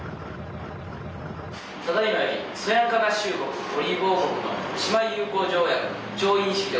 ただいまよりそやんか合衆国オリーブ王国の姉妹友好条約調印式でございます。